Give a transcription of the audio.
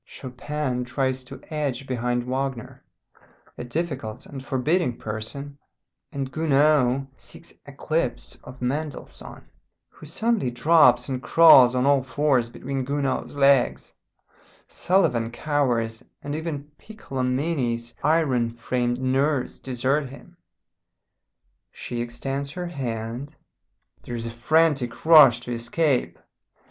Chopin tries to edge behind Wagner, a difficult and forbidding person, and Gounod seeks eclipse of Mendelssohn, who suddenly drops and crawls on all fours between Gounod's legs; Sullivan cowers, and even Piccolomini's iron framed nerves desert him. She extends her hand. There is a frantic rush to escape.